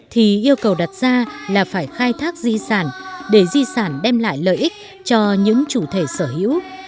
thì yêu cầu đặt ra là phải khai thác di sản để di sản đem lại lợi ích cho những chủ thể sở hữu